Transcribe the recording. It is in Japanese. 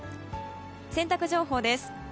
洗濯情報です。